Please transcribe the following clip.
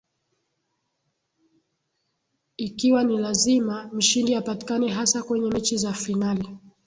Ikiwa ni lazima mshindi apatikane hasa kwenye mechi za finali